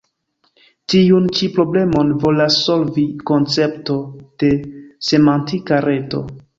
Tiun ĉi problemon volas solvi koncepto de Semantika Reto.